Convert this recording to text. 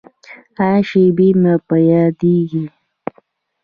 هغه شېبې مې په یادیږي.